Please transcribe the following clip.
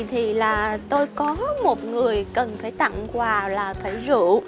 thì là tôi có một người cần phải tặng quà là phải rượu